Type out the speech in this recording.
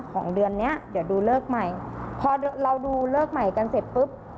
ของเดือนเนี้ยเดี๋ยวดูเลิกใหม่พอเราดูเลิกใหม่กันเสร็จปุ๊บ